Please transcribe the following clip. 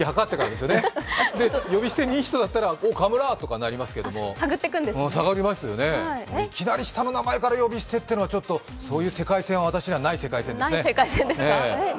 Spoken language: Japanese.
で、呼び捨てでいい人だったら、おー、カワムラとかなりますけど、いきなり下の名前から呼び捨てというのは、そういう世界線は私にはない世界線ですね。